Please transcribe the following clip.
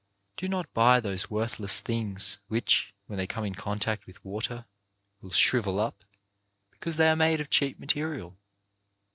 Do not buy those worthless things, which, when they come in contact with water, will shrivel up because they are made of cheap material.